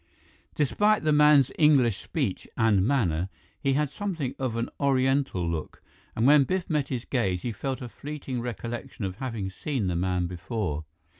Despite the man's English speech and manner, he had something of an Oriental look, and when Biff met his gaze, he felt a fleeting recollection of having seen the man before.